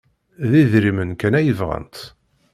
D idrimen kan ay bɣant.